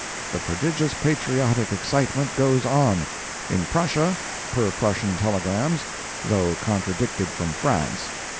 The prodigious patriotic excitement goes on. In Prussia, per Prussian telegrams, though contradicted from France.